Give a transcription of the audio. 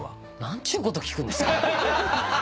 なんちゅうこと聞くんですか。